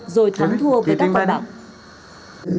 rồi thắng thua với các con bạn